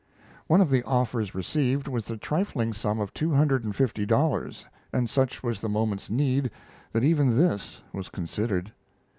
One of the offers received was the trifling sum of two hundred and fifty dollars, and such was the moment's need that even this was considered.